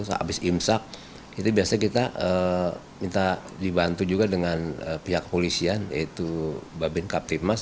habis imsak itu biasanya kita minta dibantu juga dengan pihak kepolisian yaitu babin kaptimmas